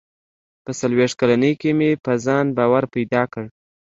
• په څلوېښت کلنۍ کې مې په ځان باور پیدا کړ.